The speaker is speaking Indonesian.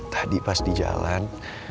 tadi pas di jalan